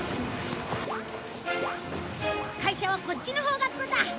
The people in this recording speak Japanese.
会社はこっちの方角だ。